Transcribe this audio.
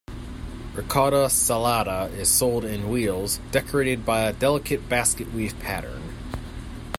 "Ricotta salata" is sold in wheels, decorated by a delicate basket-weave pattern.